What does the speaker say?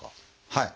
はい。